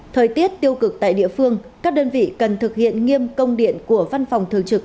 thời tiết tiêu cực tại địa phương các đơn vị cần thực hiện nghiêm công điện của văn phòng thường trực